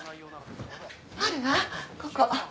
あるわここ。